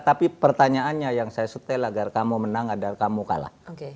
tapi pertanyaannya yang saya setel agar kamu menang adalah kamu kalah